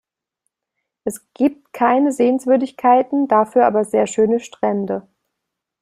Es gibt keine Sehenswürdigkeiten, dafür aber sehr schöne Strände.